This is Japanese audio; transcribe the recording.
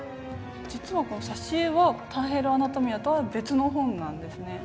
実はこの挿絵は「ターヘル・アナトミア」とは別の本なんですね。